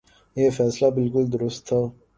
یہ فیصلہ بالکل درست تھا۔